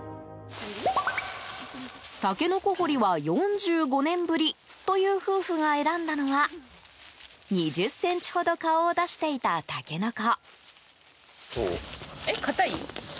タケノコ掘りは４５年ぶりという夫婦が選んだのは２０ｃｍほど顔を出していたタケノコ。